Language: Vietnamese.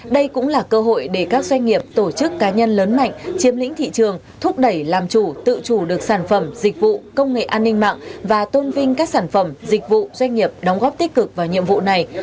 đây cũng là cơ hội để các doanh nghiệp tổ chức cá nhân lớn mạnh chiếm lĩnh thị trường thúc đẩy làm chủ tự chủ được sản phẩm dịch vụ công nghệ an ninh mạng và tôn vinh các sản phẩm dịch vụ doanh nghiệp đóng góp tích cực vào nhiệm vụ này